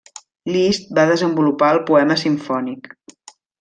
Liszt va desenvolupar el poema simfònic.